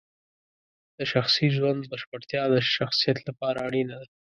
د شخصي ژوند بشپړتیا د شخصیت لپاره اړینه ده.